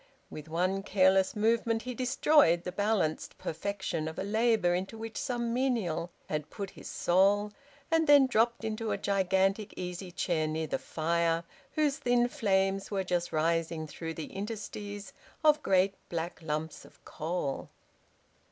With one careless movement he destroyed the balanced perfection of a labour into which some menial had put his soul, and then dropped into a gigantic easy chair near the fire, whose thin flames were just rising through the interstices of great black lumps of coal.